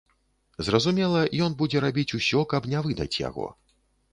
Зразумела, ён будзе рабіць усё, каб не выдаць яго.